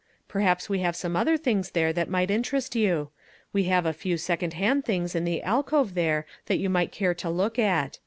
Perhaps we have some other things there that might interest you. We have a few second hand things in the alcove there that you might care to look at.